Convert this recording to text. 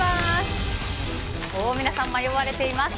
皆さん迷われています。